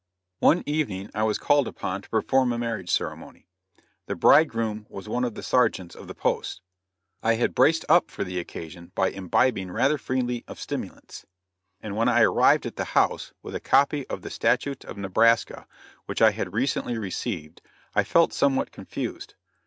One evening I was called upon to perform a marriage ceremony. The bridegroom was one of the sergeants of the post. I had "braced up" for the occasion by imbibing rather freely of stimulants, and when I arrived at the house, with a copy of the Statutes of Nebraska, which I had recently received, I felt somewhat confused.